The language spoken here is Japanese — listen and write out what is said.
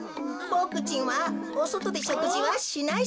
ボクちんはおそとでしょくじはしない